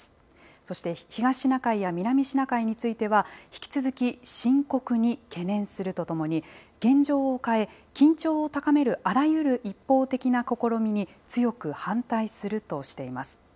そして東シナ海や南シナ海については、引き続き深刻に懸念するとともに、現状を変え、緊張を高めるあらゆる一方的な試みに強く反対するとしています。